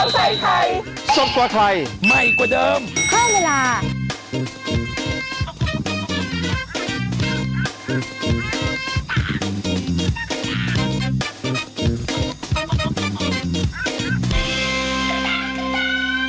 โปรดติดตามตอนต่อไป